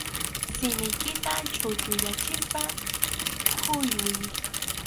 Simiykita chʼutuyachispa huywiy.